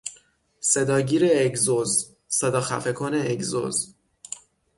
صداگیر اگزوز، صداخفه کن اگزوز